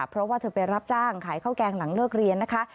เพราะว่าเธอไปรับจ้างขายข้าวแกงหลังเลิกเรียนนะคะ